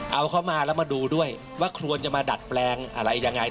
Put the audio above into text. เอาเข้ามาแล้วมาดูด้วยว่าควรจะมาดัดแปลงอะไรยังไง